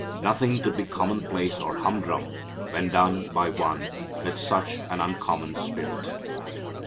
Nothing could be commonplace or humdrum when done by One with such an uncommon spirit.